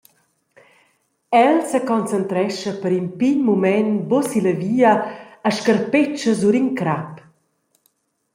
El seconcentrescha per in pign mument buca silla via e scarpetscha sur in crap.